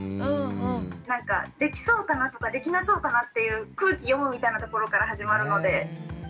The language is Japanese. なんかできそうかな？とかできなそうかな？っていう空気読むみたいなところから始まるのでちょっと疲れますね。